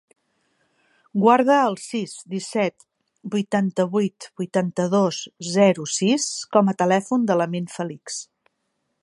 Guarda el sis, disset, vuitanta-vuit, vuitanta-dos, zero, sis com a telèfon de l'Amin Felix.